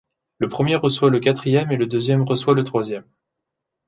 Le premier reçoit le quatrième et le deuxième reçoit le troisième.